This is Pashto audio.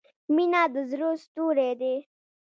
• مینه د زړۀ ستوری دی.